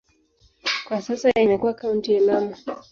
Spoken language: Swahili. Kwa sasa imekuwa kaunti ya Lamu.